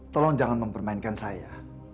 tolong jangan mempermainkan saya